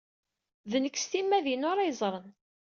D nekk s timmad-inu ara yeẓren.